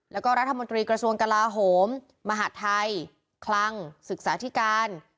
แล้วก็รัฐมนตรีกระทรวงกลาโหมมหาดไทยคลังศึกษาธิการ